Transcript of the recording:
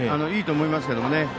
いいと思いますけどね。